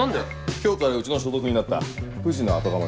今日からうちの所属になった藤の後釜だ。